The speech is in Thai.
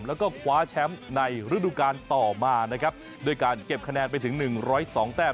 แล้วก็คว้าแชมป์ในฤดูกาลต่อมานะครับด้วยการเก็บคะแนนไปถึง๑๐๒แต้ม